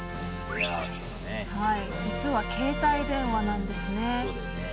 実は携帯電話なんです。